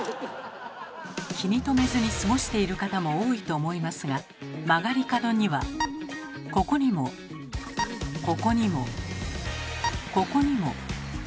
気に留めずに過ごしている方も多いと思いますが曲がり角にはここにもここにもここにも。